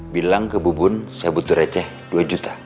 bilang ke bu bun saya butuh receh dua juta